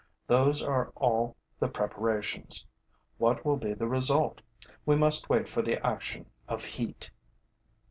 Those are all the preparations. What will be the result? We must wait for the action of heat.